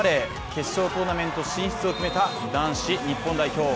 決勝トーナメント進出を決めた男子日本代表。